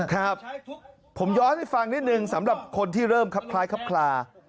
ครับผมย้อนให้ฟังนิดนึงสำหรับคนที่เริ่มครับคล้ายครับคลา